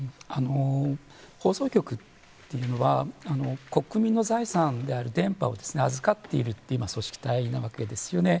放送局というのは国民の財産である電波を預かっている組織体なわけですよね。